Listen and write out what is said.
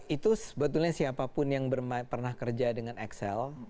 itu sebetulnya siapapun yang pernah kerja dengan excel